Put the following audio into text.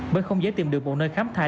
bởi không dễ tìm được một nơi khám thai